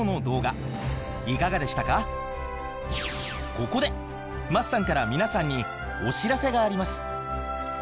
ここで桝さんから皆さんにお知らせがあります。